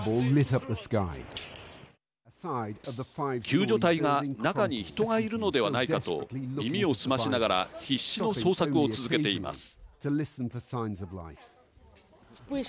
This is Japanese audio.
救助隊が中に人がいるのではないかと耳を澄ましながら必死の捜索を続けています。